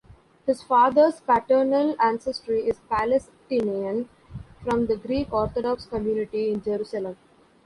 His father's paternal ancestry is Palestinian from the Greek Orthodox community in Jerusalem.